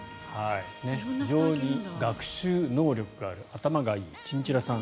非常に学習能力がある頭がいいチンチラさん